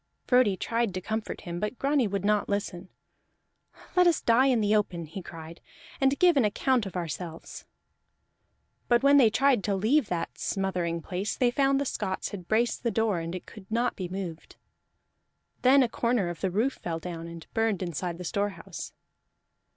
Frodi tried to comfort him, but Grani would not listen. "Let us die in the open," he cried, "and give an account of ourselves!" But when they tried to leave that smothering place, they found the Scots had braced the door, and it could not be moved. Then a corner of the roof fell down, and burned inside the storehouse.